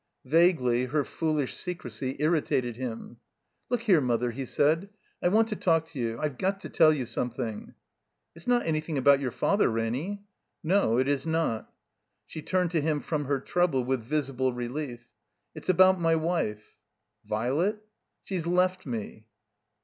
Vaguely her foolish secrecy irritated him. "Look here. Mother," he said, '*I want to talk to you. I've got to tell you something." "It's not anjrthing about your Father, Ranny?" "No, it is not." (She turned to him from her trouble with visible relief.) "It's about my wife." "Vilet?" "She's left me."